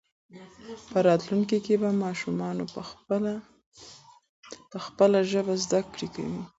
په راتلونکي کې به ماشومان په خپله ژبه زده کړه کوي.